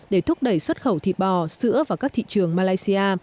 để thúc đẩy xuất khẩu thịt bò sữa vào các thị trường malaysia